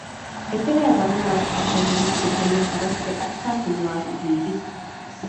އެތެރެޔަށް ވަނުމާއެކު އަހަރެންގެ ހިތުގެ ތެޅުން އަވަސްވެ އަތްފައި ފިނިވާހެން ހީވި